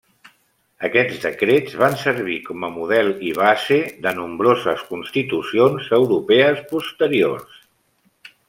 Aquests decrets van servir com a model i base de nombroses Constitucions europees posteriors.